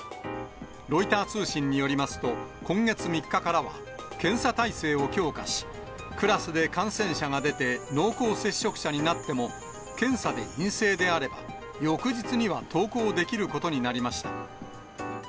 ロイター通信によりますと、今月３日からは、検査態勢を強化し、クラスで感染者が出て濃厚接触者になっても、検査で陰性であれば、翌日には登校できることになりました。